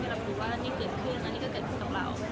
เรารู้ว่านี่เกิดขึ้นอันนี้ก็เกิดขึ้นกับเรา